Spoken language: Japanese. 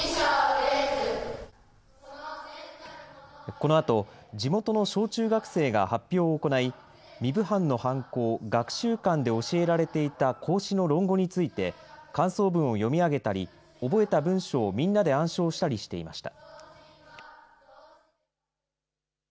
このあと、地元の小中学生が発表を行い、壬生藩の藩校、学習館で教えられていた孔子の論語について、感想文を読み上げたり、覚えた文章をみんなで暗唱したりしていました。